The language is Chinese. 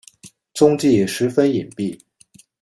踪迹十分隐蔽。